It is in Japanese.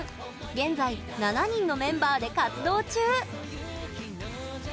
現在７人のメンバーで活動中。